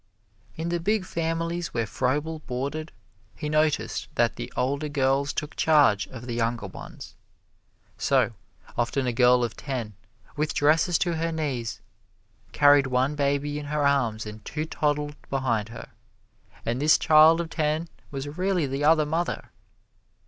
In the big families where Froebel boarded, he noticed that the older girls took charge of the younger ones. So, often a girl of ten, with dresses to her knees, carried one baby in her arms and two toddled behind her, and this child of ten was really the other mother.